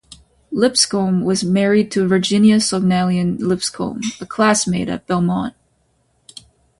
Lipscomb was married to Virginia Sognalian Lipscomb, a classmate at Belmont.